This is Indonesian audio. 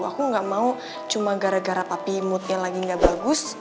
aku gak mau cuma gara gara tapi moodnya lagi nggak bagus